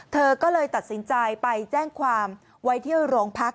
เธอก็เลยตัดสินใจไปแจ้งความไว้ที่โรงพัก